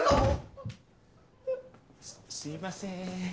すすいません